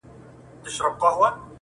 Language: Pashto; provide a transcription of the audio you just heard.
چي كتل يې زما تېره تېره غاښونه؛